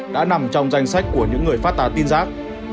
đã nằm trong danh sách của những người phát tán tin rác